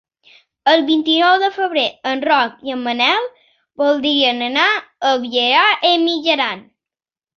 El vint-i-nou de febrer en Roc i en Manel voldrien anar a Vielha e Mijaran.